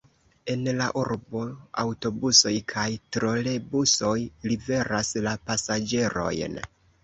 En la urbo aŭtobusoj kaj trolebusoj liveras la pasaĝerojn.